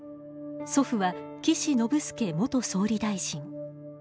祖父は、岸信介元総理大臣。